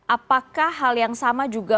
apakah hal yang sama juga